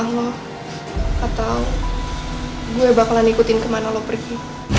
atau gue bakalan ngikutin kemana lo pergi